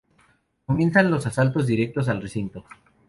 Comienzan los asaltos directos al recinto.